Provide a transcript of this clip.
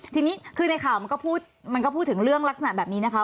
ทีนี้ในข่าวมันก็พูดถึงเรื่องลักษณะแบบนี้นะคะ